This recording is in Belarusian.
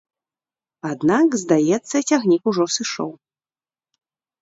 Аднак, здаецца, цягнік ужо сышоў.